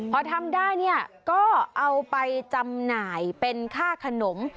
พอทำได้เนี่ยก็เอาไปจำหน่ายเป็นค่าขนม